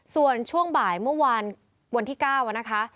ส่วนช่วงบ่ายเมื่อวานวันที่๙นะคะ